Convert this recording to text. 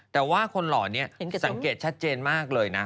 แต่ว่าคนหล่อนี้สังเกตชัดเจนมากเลยนะ